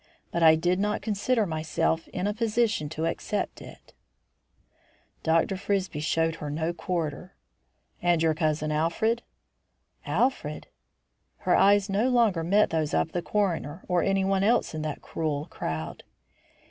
But I did not consider myself in a position to accept it." Dr. Frisbie showed her no quarter. "And your cousin Alfred?" "Alfred?" Her eyes no longer met those of the coroner or anyone else in that cruel crowd.